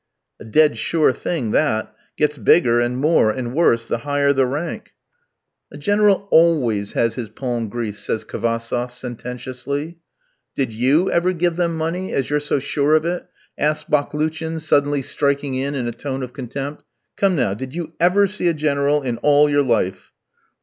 "A dead sure thing that; gets bigger, and more, and worse, the higher the rank." "A General always has his palm greased," says Kvassoff, sententiously. "Did you ever give them money, as you're so sure of it?" asks Baklouchin, suddenly striking in, in a tone of contempt; "come, now, did you ever see a General in all your life?"